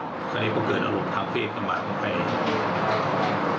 เพราะฉะนั้นพวกเกิดอาหารทางเพศตำรวจไม่ไหว